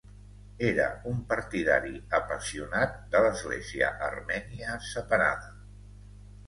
Era un partidari apassionat de l'Església armènia separada.